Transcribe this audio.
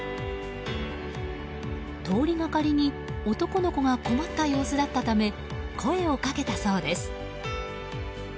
通りがかりに男の子が困った様子だったため声をかけたそうです。